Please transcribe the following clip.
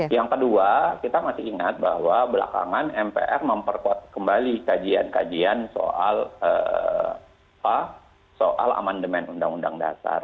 yang kedua kita masih ingat bahwa belakangan mpr memperkuat kembali kajian kajian soal amandemen undang undang dasar